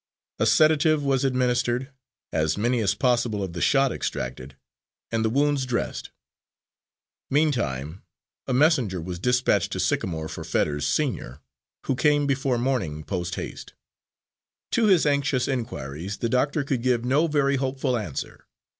A sedative was administered, as many as possible of the shot extracted, and the wounds dressed. Meantime a messenger was despatched to Sycamore for Fetters, senior, who came before morning post haste. To his anxious inquiries the doctor could give no very hopeful answer.